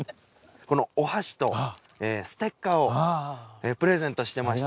このお箸とステッカーをプレゼントしてまして。